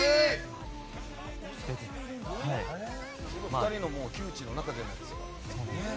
２人の旧知の仲じゃないですか。